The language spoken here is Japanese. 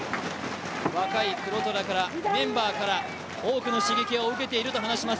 若い黒虎から、メンバーから多くの刺激を受けていると話します。